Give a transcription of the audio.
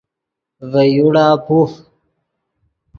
ڤے یوڑا پوف